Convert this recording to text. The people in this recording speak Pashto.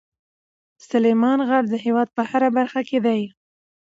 سلیمان غر د هېواد په هره برخه کې دی.